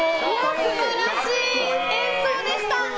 素晴らしい演奏でした！